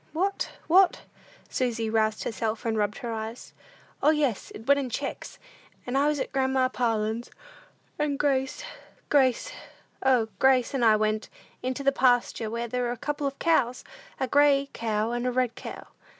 "What? What?" Susy roused herself and rubbed her eyes. "O, yes, it went in checks; and I was at grandma Parlin's, and Grace Grace O, Grace and I went into the pasture where there were a couple of cows, a gray cow and a red cow."